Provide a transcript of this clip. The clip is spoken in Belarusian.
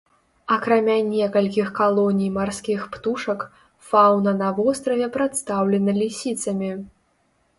Акрамя некалькіх калоній марскіх птушак, фаўна на востраве прадстаўлена лісіцамі.